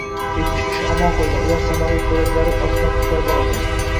Yetti kishi omon qolgan, ular samolyot bo‘laklari ostidan qutqarib olingan